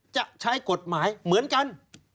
จะใช้กฎหมายเหมือนกัน